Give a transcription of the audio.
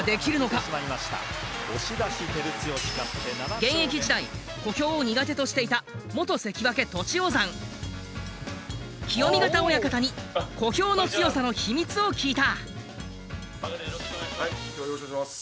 現役時代小兵を苦手としていた清見潟親方に小兵の強さの秘密を聞いた。